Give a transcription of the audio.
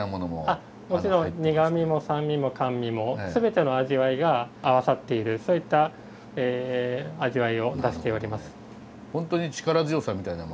あもちろん苦みも酸味も甘味もすべての味わいが合わさっているそういった味わいを出しております。